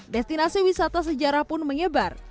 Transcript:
destinasi wisata sejarah pun menyebar